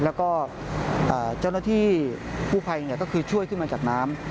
แล้วก็เจ้าหน้าที่กู้ภัยก็คือช่วยขึ้นมาจากน้ำ